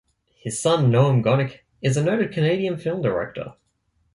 His son Noam Gonick is a noted Canadian film director.